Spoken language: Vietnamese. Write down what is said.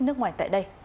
nước ngoài tại đây